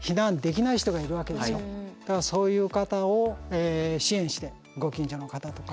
そういう方を支援してご近所の方とか。